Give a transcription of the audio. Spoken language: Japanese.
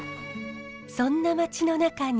そんな町の中に。